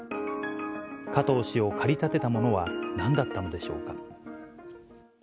加藤氏を駆り立てたものは何だったのでしょうか。